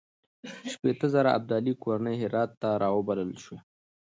شپېته زره ابدالي کورنۍ هرات ته راوبلل شوې.